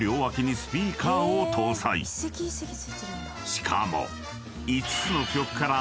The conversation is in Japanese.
［しかも］